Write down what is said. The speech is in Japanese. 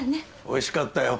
おいしかったよ。